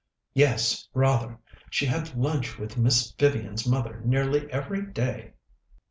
"Yes, rather. She had lunch with Miss Vivian's mother nearly every day."